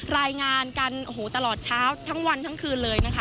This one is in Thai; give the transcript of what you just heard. รายงานกันตลอดเช้าทั้งวันทั้งคืนเลย